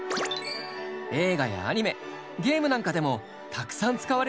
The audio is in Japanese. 映画やアニメゲームなんかでもたくさん使われているよ。